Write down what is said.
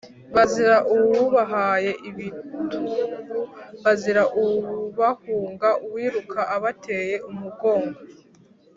bazira ubahaye ibitugu: bazira ubahunga, uwiruka abateye umugongo